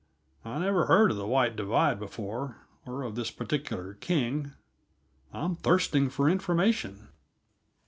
I never heard of the White Divide before, or of this particular King. I'm thirsting for information."